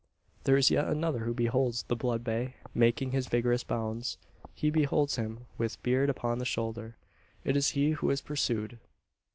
There is yet another who beholds the blood bay making his vigorous bounds. He beholds him with "beard upon the shoulder." It is he who is pursued.